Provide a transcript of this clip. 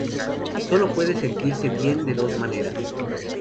Sólo puede sentirse bien de dos maneras.